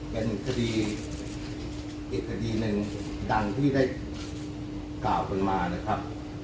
เป็นคดีอีกคดีหนึ่งดังที่ได้กล่าวกันมานะครับ